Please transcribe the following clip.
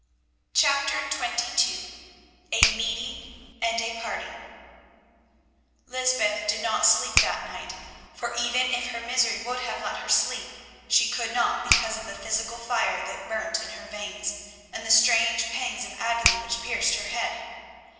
CHAPTER XXII A MEETING AND A PARTING Lysbeth did not sleep that night, for even if her misery would have let her sleep, she could not because of the physical fire that burnt in her veins, and the strange pangs of agony which pierced her head.